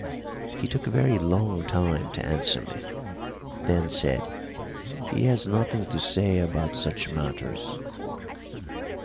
He took a very long time to answer me, then said: "He has nothing to say about such matters."